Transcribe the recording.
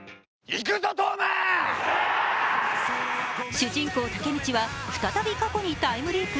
主人公・タケミチは再び過去にタイムリープ。